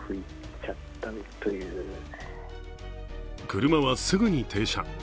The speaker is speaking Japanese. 車はすぐに停車。